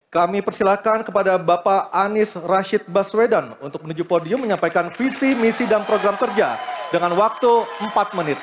kami persilahkan kepada bapak anies rashid baswedan untuk menuju podium menyampaikan visi misi dan program kerja dengan waktu empat menit